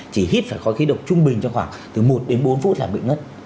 chỉ hít phải khói khí độc trung bình trong khoảng từ một đến bốn phút là bệnh ngất